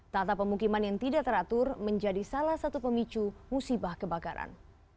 tata pemukiman yang tidak teratur menjadi salah satu pemicu musibah kebakaran